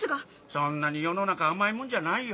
そんなに世の中甘いもんじゃないよ。